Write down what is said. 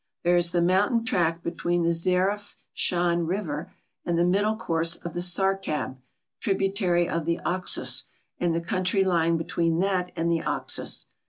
There is the mountain track between the Zarafshan river and the middle course of the Sarkhab, tributary of the Oxus, and the country lying between that and the Oxus.